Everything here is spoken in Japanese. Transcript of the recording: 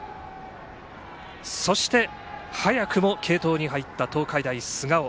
そして、早くも継投に入った東海大菅生。